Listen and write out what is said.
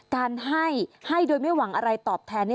การให้ให้โดยไม่หวังอะไรตอบแทน